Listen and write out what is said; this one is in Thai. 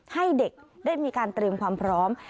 ให้เด็กได้มีการเตรียมความพร้อม